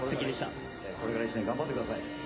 これから１年頑張ってください。